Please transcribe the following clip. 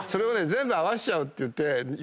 全部合わせちゃおうっていって。